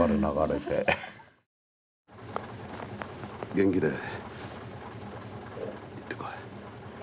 元気で行ってこい。